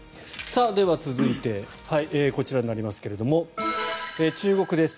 では、続いてこちらになりますけれども中国です。